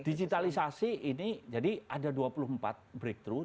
digitalisasi ini jadi ada dua puluh empat breakthroug